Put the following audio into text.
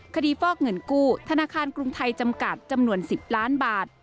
ฟอกเงินกู้ธนาคารกรุงไทยจำกัดจำนวน๑๐ล้านบาท